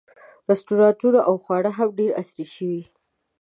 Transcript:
رسټورانټونه او خواړه هم ډېر عصري شوي.